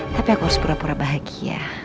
tapi aku harus pura pura bahagia